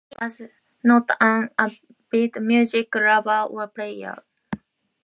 He was not an avid music lover or player.